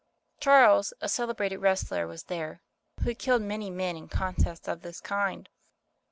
Charles, a celebrated wrestler, was there, who had killed many men In contests of this kind.